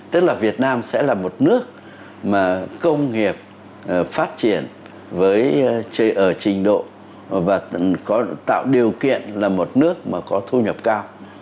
tức là việt nam sẽ là một nước mà công nghiệp phát triển ở trình độ và có tạo điều kiện là một nước mà có thu nhập cao